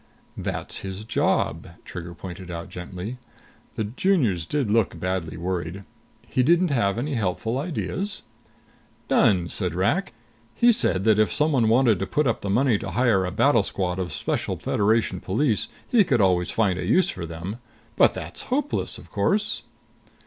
"That's his job," Trigger pointed out gently. The Juniors did look badly worried. "He didn't have any helpful ideas?" "None," said Rak. "He said that if someone wanted to put up the money to hire a battle squad of Special Federation Police, he could always find some use for them. But that's hopeless, of course."